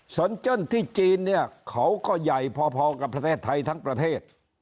เจิ้นที่จีนเนี่ยเขาก็ใหญ่พอกับประเทศไทยทั้งประเทศ